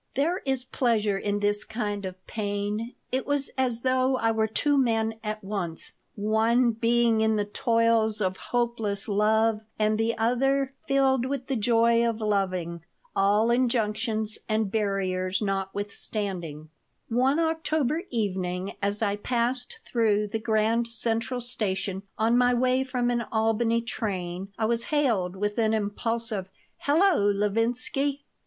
There is pleasure in this kind of pain. It was as though I were two men at once, one being in the toils of hopeless love and the other filled with the joy of loving, all injunctions and barriers notwithstanding One October evening as I passed through the Grand Central station on my way from an Albany train I was hailed with an impulsive, "Hello, Levinsky!"